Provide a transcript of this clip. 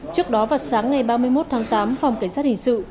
trước đó vào sáng ngày ba mươi một tháng tám phòng cảnh sát hình sự